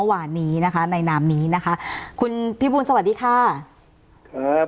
มาเมื่อวานนี้นะคะในนามนี้นะคะคุณพี่บูรณ์สวัสดีค่ะครับ